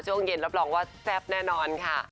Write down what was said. ช่วงเย็นรับรองว่าแซ่บแน่นอนค่ะ